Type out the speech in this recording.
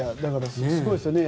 すごいですよね。